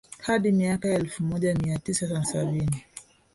Hadi miaka ya elfu moja mia tisa na sabini